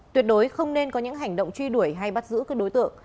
tuyệt đối không nên có những hành động truy đuổi hay bắt giữ các đối tượng